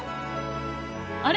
あれ？